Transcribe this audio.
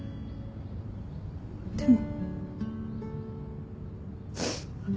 でも。